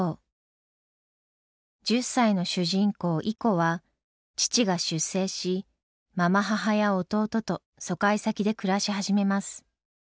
１０歳の主人公イコは父が出征しまま母や弟と疎開先で暮らし始めます。